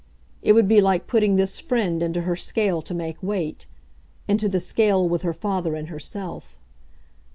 It would be like putting this friend into her scale to make weight into the scale with her father and herself.